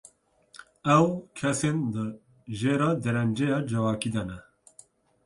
Ew, kesên di jêra derenceya civakî de ne.